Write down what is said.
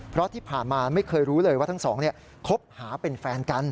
เพราะที่ผ่านมาไม่เคยรู้เลยว่าทั้งสองคบหาเป็นแฟนกัน